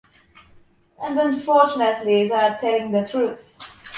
And unfortunately they are telling the truth.